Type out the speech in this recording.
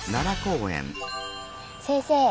先生